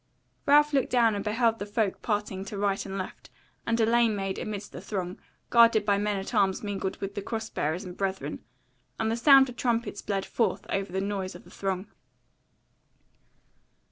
Ralph looked down and beheld the folk parting to right and left, and a lane made amidst the throng, guarded by men at arms mingled with the cross bearers and brethren; and the sound of trumpets blared forth over the noises of the throng.